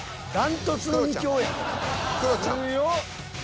強っ！